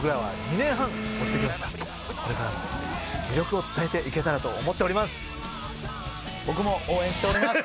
これからも魅力を伝えていけたらと思っております。